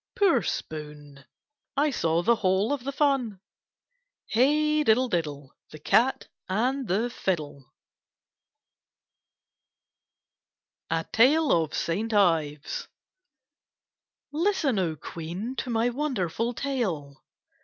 Poor spoon! I saw the whole of the fun. Hey! diddle, diddle. The cat and the fiddle! k ^ 48 KITTEIfS AND CATS A TALE OF ST. IVES Listen, O Queen! to my wonderful tale.